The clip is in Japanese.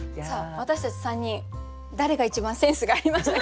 私たち３人誰が一番センスがありましたか？